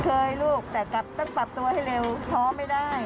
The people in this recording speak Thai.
ลูกแต่กลับต้องปรับตัวให้เร็วท้อไม่ได้